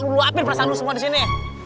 lu apir perasaan lu semua disini